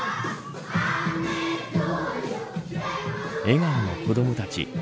笑顔の子どもたち。